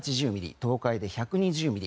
東海で１２０ミリ。